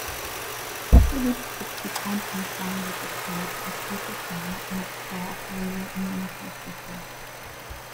Phillips subsequently founded a church at Watertown on the Charles River in Massachusetts.